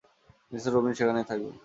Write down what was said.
Mrs Rubin সেখানেই থাকবেন।